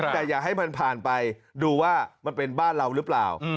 แต่อย่าให้มันผ่านไปดูว่ามันเป็นบ้านเราหรือเปล่า